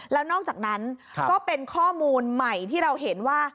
แล้วนอกจากนั้นก็เป็นข้อมูลใหม่ที่เราเห็นว่า